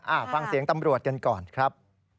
ฟังเสียงตำรวจกันก่อนครับ